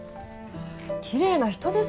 きれいな人ですね。